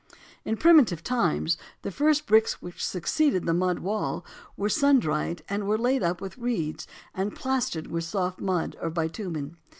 In primitive times the first bricks which succeeded the mud wall were sun dried and were laid up with reeds and plastered with soft mud or bitumen.